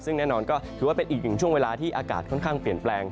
ซึ่งแน่นอนก็ถือว่าเป็นอีกหนึ่งช่วงเวลาที่อากาศค่อนข้างเปลี่ยนแปลง